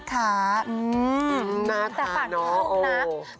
น่าทานเนอะโอ๊ยแต่ฝากนี้ดูนะ